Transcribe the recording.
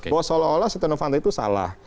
bahwa seolah olah setia novanto itu salah